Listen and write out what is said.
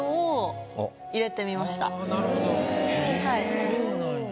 そうなんや。